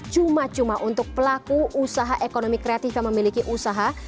cuma cuma untuk pelaku usaha ekonomi kreatif yang memiliki usaha